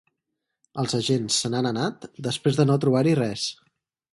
Els agents se n’han anat després de no trobar-hi res.